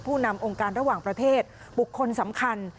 นำองค์การระหว่างประเทศบุคคลสำคัญ